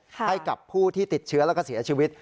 ให้กับผู้ที่ติดเชื้อแล้วก็เสียชีวิต